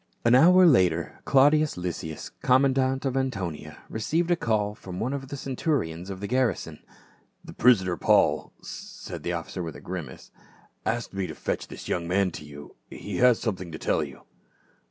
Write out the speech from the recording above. An hour later Claudius Lysias, commandant of Antonia, received a call from one of the centurions of the garrison. "The prisoner Paul," said that officer with a grimace, " asked me to fetch this young man to you ; he has something to tell you."